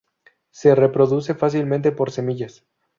Se reproduce fácilmente por semillas.